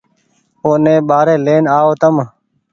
اوني ٻآري لين آئو تم